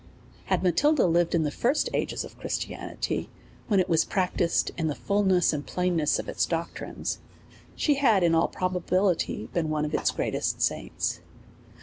Had Matilda lived in the first ages of Christianity, when it was practised in the fullness and plainness of its doctrines, she had, in all probability, been one of its greatest saints.